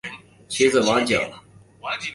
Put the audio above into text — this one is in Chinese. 其子王景。